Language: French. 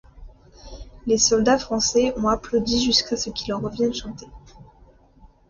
Les soldats français ont applaudi jusqu'à ce qu'il revienne chanter.